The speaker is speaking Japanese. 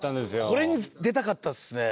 これに出たかったっすね。